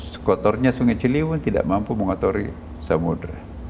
sekotornya sungai ciliwung tidak mampu mengotori samudera